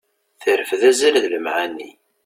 Terfed azal d lemɛani.